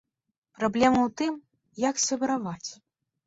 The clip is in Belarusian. Праблема ў тым, як сябраваць.